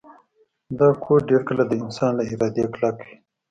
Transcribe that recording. دا کوډ ډیر کله د انسان له ارادې کلک وي